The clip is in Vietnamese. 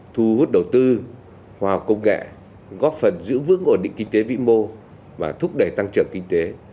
thu hút đầu tư khoa học công nghệ góp phần giữ vững ổn định kinh tế vĩ mô và thúc đẩy tăng trưởng kinh tế